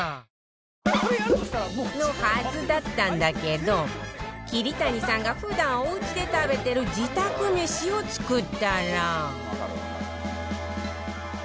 のはずだったんだけど桐谷さんが普段おうちで食べてる自宅めしを作ったら